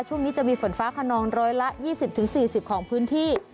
ช่วงนี้จะมีฝนฟ้าขนองร้อยละ๒๐๔๐ของพื้นที่